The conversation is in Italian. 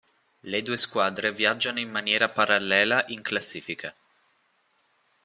Le due squadre viaggiano in maniera parallela in classifica.